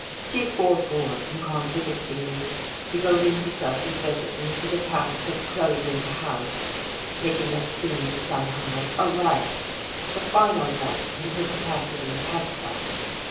She forbore from contradicting me, devoting herself efficiently to the task of closing the house, making it seem, somehow, a rite, the final rite in her capacity as housewife.